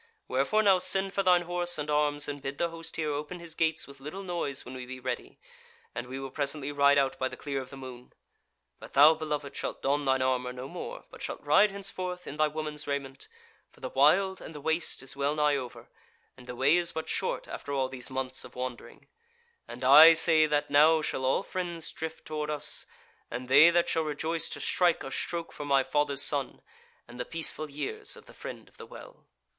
Wherefore now send for thine horse and arms, and bid the host here open his gates with little noise when we be ready; and we will presently ride out by the clear of the moon. But thou, beloved, shalt don thine armour no more, but shalt ride henceforth in thy woman's raiment, for the wild and the waste is well nigh over, and the way is but short after all these months of wandering; and I say that now shall all friends drift toward us, and they that shall rejoice to strike a stroke for my father's son, and the peaceful years of the Friend of the Well."